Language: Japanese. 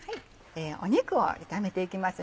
肉を炒めていきます。